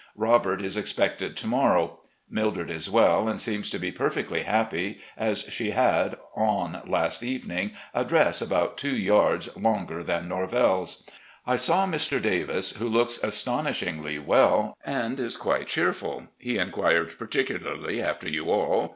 Robert is expected to morrow. Mildred is well and seems to be perfectly happy, as she had on, last evening, a dress AN ADVISER OF YOUNG MEN 287 about two yards longer than Norvell's. I saw Mr. Davis, who looks astonishingly well, and is quite cheerful. He inquired particularly after you all.